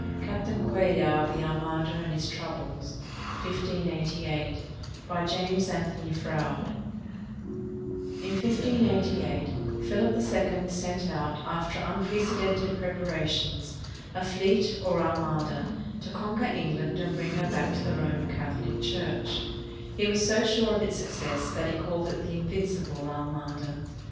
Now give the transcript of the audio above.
CAPTAIN CUELLAR OF THE ARMADA AND HIS TROUBLES BY JAMES ANTHONY FROUDE [In 1588, Philip II sent out, after unprecedented prepara tions, a fleet, or armada, to conquer England and bring her back to the Roman Catholic Church. He was so sure of its success that he called it the "Invincible Armada."